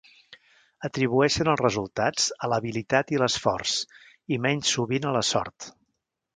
Atribueixen els resultats a l'habilitat i l'esforç i menys sovint a la sort.